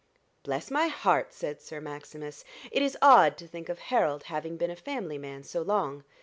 "Bless my heart!" said Sir Maximus, "it is odd to think of Harold having been a family man so long.